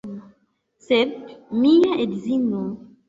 Sed mia edzino